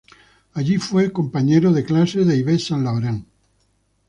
Allí, fue compañero de clases de Yves Saint-Laurent.